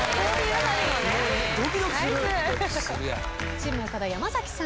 チーム岡田山崎さん。